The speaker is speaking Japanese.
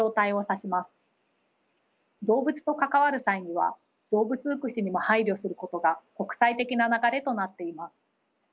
動物と関わる際には動物福祉にも配慮することが国際的な流れとなっています。